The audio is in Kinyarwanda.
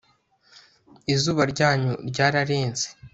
izuba ryanyu ryararenze